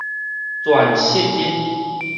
全蝕日